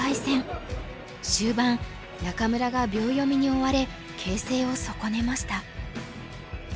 終盤仲邑が秒読みに追われ形勢を損ねました。